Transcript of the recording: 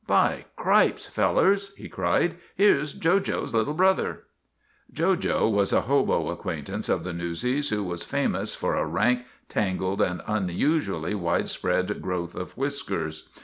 " By cripes, fellers," he cried, " here's Jo jo's little brother!" Jo jo was a hobo acquaintance of the newsies who was famous for a rank, tangled, and unusually wide spread growth of whiskers.